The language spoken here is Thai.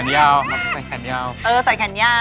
เออใส่เรื่องแล้ว